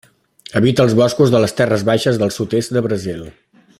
Habita els boscos de les terres baixes del sud-est de Brasil.